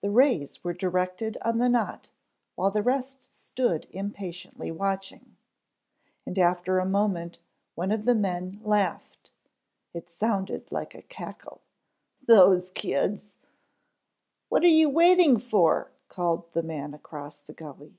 The rays were directed on the knot while the rest stood impatiently watching, and after a moment one of the men laughed; it sounded like a cackle. "Those kids " "What you waiting for?" called the man across the gully.